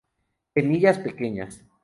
Semillas pequeñas.